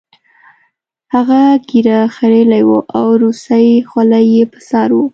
هغه ږیره خریلې وه او روسۍ خولۍ یې په سر وه